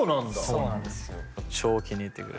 そうなんですよ。